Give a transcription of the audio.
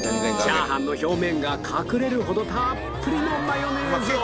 チャーハンの表面が隠れるほどたっぷりのマヨネーズを